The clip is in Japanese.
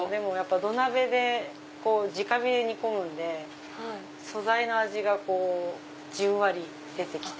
土鍋でじか火で煮込むので素材の味がじんわり出て来て。